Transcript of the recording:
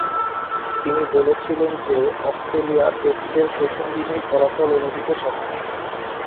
তিনি বলেছিলেন যে, অস্ট্রেলিয়া টেস্টের প্রথম দিনেই ফলাফল এনে দিতে সক্ষম।